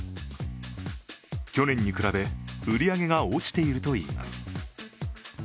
去年に比べ、売り上げが落ちているといいます。